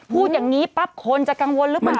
พูดอย่างนี้ปั๊บคนจะกังวลหรือเปล่า